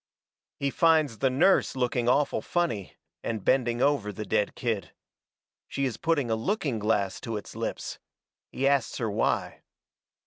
He finds the nurse looking awful funny, and bending over the dead kid. She is putting a looking glass to its lips. He asts her why.